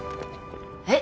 えっ！？